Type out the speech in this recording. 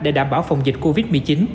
để đảm bảo phòng dịch covid một mươi chín